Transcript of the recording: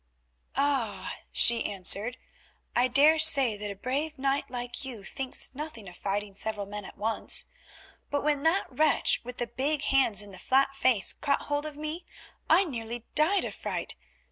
"Ah!" she answered, "I daresay that a brave knight like you thinks nothing of fighting several men at once, but when that wretch with the big hands and the flat face caught hold of me I nearly died of fright.